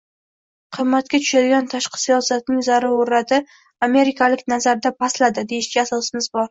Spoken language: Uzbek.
qimmatga tushadigan tashqi siyosatning zarurati amerikaliklar nazarida pastladi, deyishga asosimiz bor.